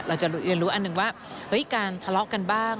เราจะเรียนรู้อันหนึ่งว่าการทะเลาะกันบ้าง